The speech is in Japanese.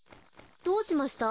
どうしました？